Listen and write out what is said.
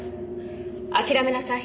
諦めなさい。